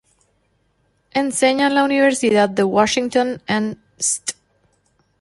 Enseña en la Universidad de Washington en St.